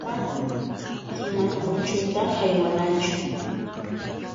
Mana makiman uchuta haywanachu.